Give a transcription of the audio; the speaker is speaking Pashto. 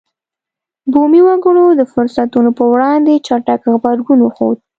بومي وګړو د فرصتونو پر وړاندې چټک غبرګون وښود.